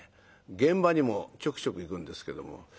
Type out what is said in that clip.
現場にもちょくちょく行くんですけども。